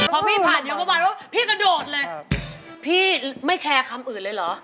พอพี่ผ่านเดี๋ยวประมาณว่าพี่กระโดดเลยพี่ไม่แคร์คำอื่นเลยเหรอ